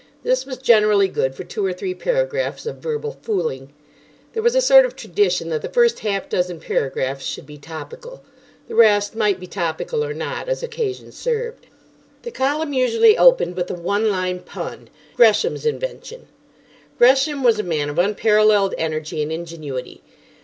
This was generally good for two or three paragraphs of verbal fooling. There was a sort of tradition that the first half dozen paragraphs should be topical. The rest might be topical or not, as occasion served. The column usually opened with a one line pun—Gresham's invention. Gresham was a man of unparalleled energy and ingenuity.